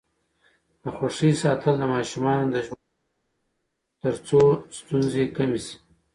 د خوښۍ ساتل د ماشومانو د ژوند برخه ده ترڅو ستونزې کمې شي.